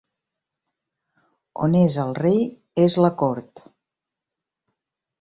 On és el rei és la cort.